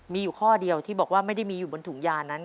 มีอยู่ข้อเดียวที่บอกว่าไม่ได้มีอยู่บนถุงยานั้น